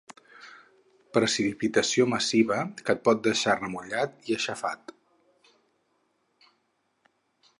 Precipitació massiva que et pot deixar remullat i aixafat.